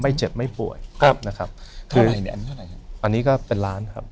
ไม่เจ็บไม่ป่วยครับนะครับคืออันนี้ก็เป็นล้านครับ